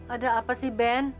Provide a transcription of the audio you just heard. ada apa sih ben